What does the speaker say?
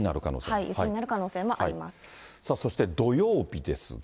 さあそして土曜日ですが。